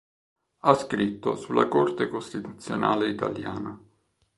Ha scritto sulla Corte costituzionale italiana.